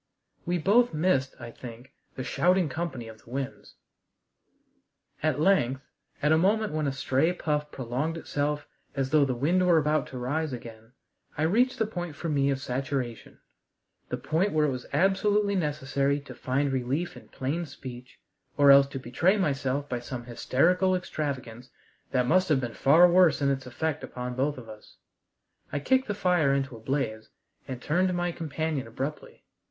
We both missed, I think, the shouting company of the winds. At length, at a moment when a stray puff prolonged itself as though the wind were about to rise again, I reached the point for me of saturation, the point where it was absolutely necessary to find relief in plain speech, or else to betray myself by some hysterical extravagance that must have been far worse in its effect upon both of us. I kicked the fire into a blaze, and turned to my companion abruptly.